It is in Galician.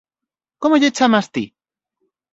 Como lle chamas ti?